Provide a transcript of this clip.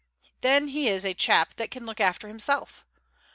Then he is a chap that can look after himself.